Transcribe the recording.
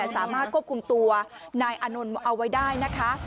สามารถควบคุมตัวนายอานนท์เอาไว้ได้นะคะ